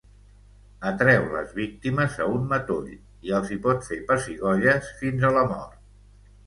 Atreu les víctimes a un matoll i els hi pot fer pessigolles fins a la mort.